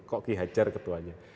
kok ki hajar ketuanya